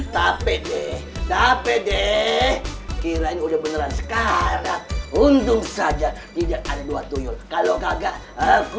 tapi deh tapi deh kirain udah beneran sekarang untung saja tidak ada dua tuyul kalau kagak aku